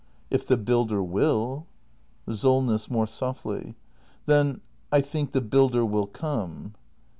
If the builder will. SOLNESS. [More softly.] Then I think the builder will come.